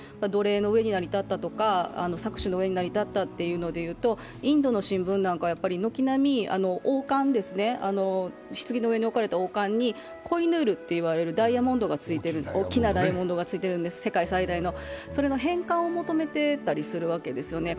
奴隷の上に成り立ったとか、搾取の上に成り立ったというのでいうとインドの新聞なんか、軒並みひつぎの上に置かれた王冠にコイヌールという大きなダイヤモンドがついてるんです、世界最大の、それの返還を求めていたりするんですよね。